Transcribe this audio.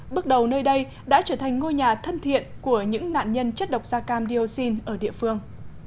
bước đầu nơi đây đã trở thành ngôi nhà thân thiện của những nạn nhân chất độc da cam dioxin ở địa phương